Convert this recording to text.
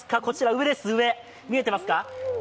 上です、上、見えていますか？